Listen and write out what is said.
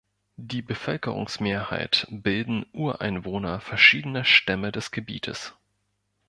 Die Bevölkerungsmehrheit bilden Ureinwohner verschiedener Stämme des Gebietes.